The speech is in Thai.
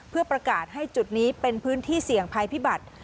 เพื่อประกาศให้จุดนี้เป็นพื้นที่เสี่ยงภัยพิบัติ